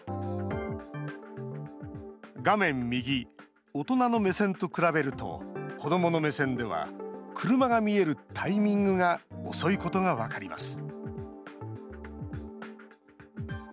画面右、大人の目線と比べると、子どもの目線では、車が見えるタイミングが遅いことが分かります。